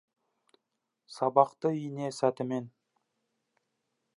Сабақты ине сәтімен.